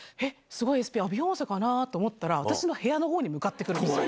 すごいＳＰ、ビヨンセかなと思ったら、私の部屋のほうに向かってくるんですよ。